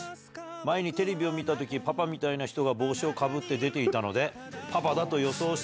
前にテレビを見たとき、パパみたいな人が帽子をかぶって出ていたので、パパだと予想して